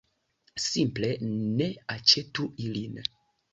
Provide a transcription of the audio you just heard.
Simple ne aĉetu ilin!